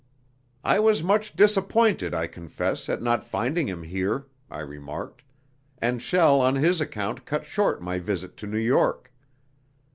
"I was much disappointed, I confess, at not finding him here," I remarked, "and shall on his account cut short my visit to New York.